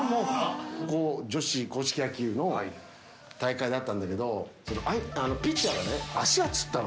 女子硬式野球の大会があったんだけど、ピッチャーがね、足がつったの。